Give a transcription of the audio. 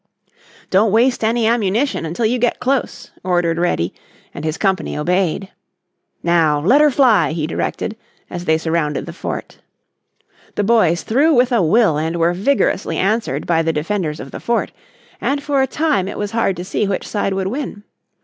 "Don't waste any ammunition until you get close," ordered Reddy, and his company obeyed. "Now let her fly," he directed, as they surrounded the fort. The boys threw with a will and were vigorously answered by the defenders of the fort, and for a time it was hard to see which side would win.